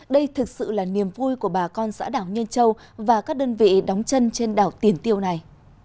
đây thực sự là niềm vui của bà con xã đảo nhân châu và các đơn vị đóng chân trên đảo tiền tiêu này